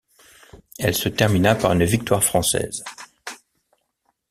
Elle se termina par une victoire française.